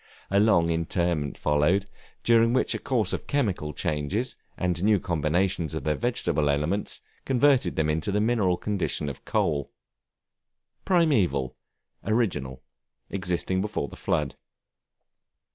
A long interment followed, during which a course of chemical changes, and new combinations of their vegetable elements, converted them to the mineral condition of coal. Primeval, original, existing before the flood.